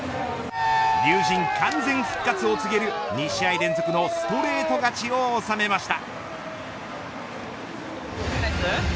龍神、完全復活を告げる２試合連続のストレート勝ちを収めました。